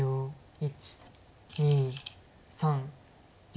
１２３４。